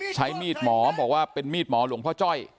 ใช้มีดหมอบอกว่าเป็นมีดหมอหลวงพ่อจ้อย